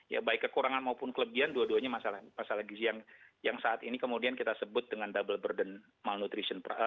ya baik kekurangan maupun kelebihan dua duanya masalah gizi yang saat ini kemudian kita sebut dengan double burden malnutrition